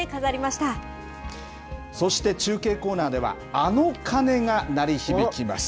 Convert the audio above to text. そして中継コーナーでは、あの鐘が鳴り響きます。